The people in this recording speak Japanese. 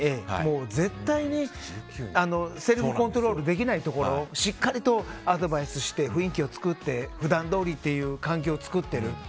絶対にセルフコントロールができないところをしっかりアドバイスして雰囲気を作って普段どおりという環境を作っている。